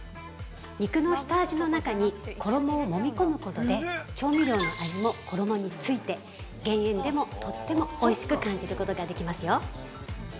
肉の下味の中に衣をもみ込むことで調味料の味も衣について減塩でも、とってもおいしく感じることができますよ。